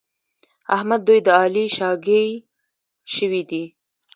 احمد دوی د علي شاګی شوي دي.